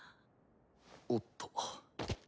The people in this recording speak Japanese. おっと。